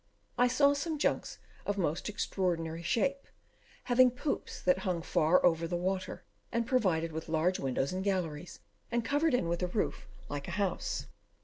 I saw some junks of most extraordinary shape, having poops that hung far over the water, and provided with large windows and galleries, and covered in with a roof, like a house.